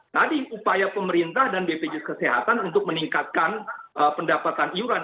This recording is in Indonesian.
tadi upaya pemerintah dan bpjs kesehatan untuk meningkatkan pendapatan iuran